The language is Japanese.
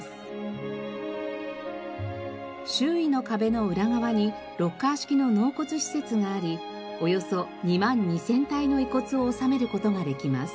周囲の壁の裏側にロッカー式の納骨施設がありおよそ２万２０００体の遺骨を納める事ができます。